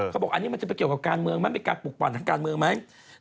เขาบอกอันนี้มันจะเป็นเกี่ยวกับการเมืองมั้ยมันเป็นการปลูกปั่นทางการเมืองมั้ย